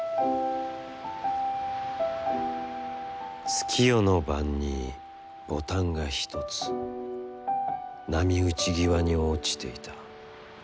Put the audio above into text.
「月夜の晩に、ボタンが一つ波打際に、落ちていた。